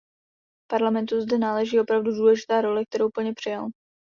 Parlamentu zde náleží opravdu důležitá role, kterou plně přijal.